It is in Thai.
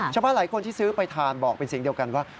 ชาวบ้านหลายคนที่ซื้อไปทานบอกเป็นเสียงเดียวกันว่า